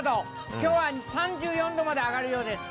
きょうは３４度まで上がるようです。